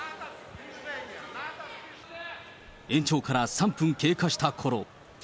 延長から３分経過したころ。